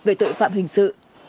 về tội phạm hình sự